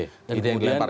ide yang dilempar